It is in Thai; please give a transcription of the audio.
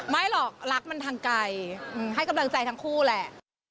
ไม่หรอกรักมันทางไกลให้กำลังใจทั้งคู่แหละ